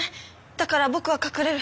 だから僕は隠れる。